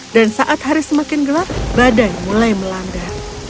dan saat hari semakin gelap badai mulai melanda